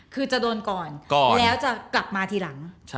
คือจะโดนก่อนแล้วจะกลับมาทีหลัง